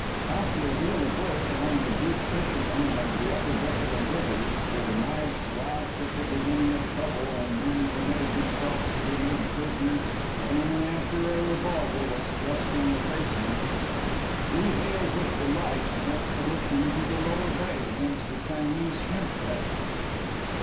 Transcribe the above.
After a deal of work among the Greek fishermen of the Upper Bay and rivers, where knives flashed at the beginning of trouble and men permitted themselves to be made prisoners only after a revolver was thrust in their faces, we hailed with delight an expedition to the Lower Bay against the Chinese shrimp catchers.